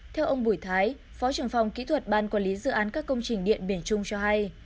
theo ông bùi thái phó trưởng phòng kỹ thuật ban quản lý dự án các công trình điện biển trung cho hay